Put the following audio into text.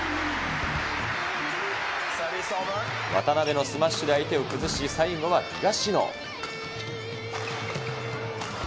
渡辺のスマッシュで相手を崩し、最後は東野。